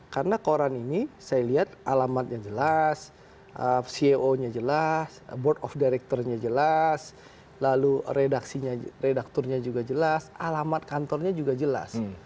karena koran ini saya lihat alamatnya jelas ceo nya jelas board of director nya jelas lalu redakturnya juga jelas alamat kantornya juga jelas